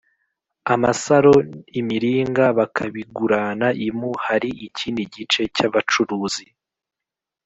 amasaro imiringa bakabigurana impu Hari ikindi gice cy abacuruzi